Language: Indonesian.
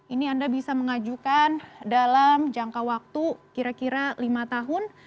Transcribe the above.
ini anda bisa mengajukan dalam jangka waktu kira kira lima tahun